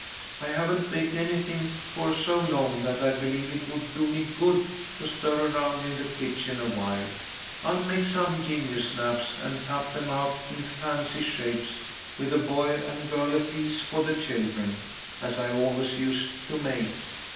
I haven't baked anything for so long that I believe it would do me good to stir around in the kitchen awhile. I'll make some gingersnaps, and cut them out in fancy shapes, with a boy and girl apiece for the children, as I always used to make.